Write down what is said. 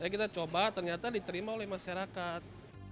kita coba ternyata diterima oleh masyarakat